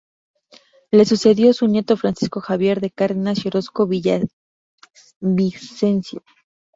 Le sucedió su nieto Francisco Javier de Cárdenas y Orozco Villavicencio.